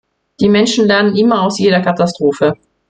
Die Menschen lernen immer aus jeder Katastrophe.